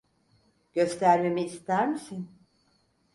Göstermemi ister misin?